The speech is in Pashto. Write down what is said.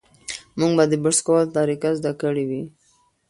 موږ به د برس کولو طریقه زده کړې وي.